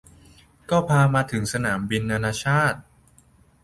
ก็พามาถึงสนามบินนานาชาติ